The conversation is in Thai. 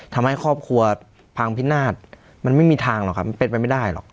ทำให้ครอบครัวพังพินาศมันไม่มีทางหรอกครับมันเป็นไปไม่ได้หรอก